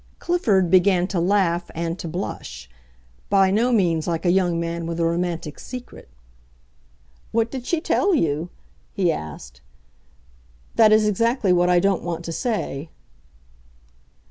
Clifford began to laugh and to blush, by no means like a young man with a romantic secret. "What did she tell you?" he asked. "That is exactly what I don't want to say."